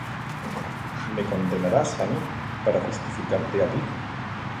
¿Me condenarás á mí, para justificarte á ti?